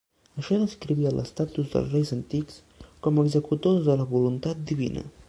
Això descrivia l'estatus dels reis antics com a executors de la voluntat divina.